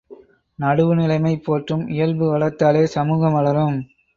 நடுவுநிலைமை போற்றும் இயல்பு வளர்ந்தாலே சமூகம் வளரும்!